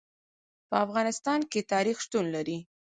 په افغانستان کې تاریخ شتون لري.